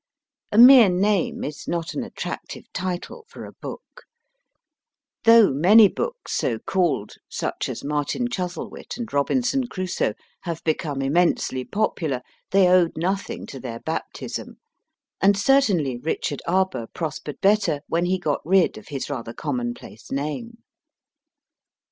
A mere name is not an attractive title for a book ; though many books so called such as Martin Chuzzlewit and Robinson Crusoe have become immensely popular, they owed nothing to their baptism ; and certainly Richard Arbour prospered better when he got rid of his rather commonplace name.